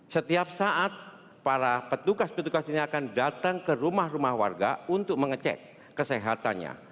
setiap saat para petugas petugas ini akan datang ke rumah rumah warga untuk mengecek kesehatannya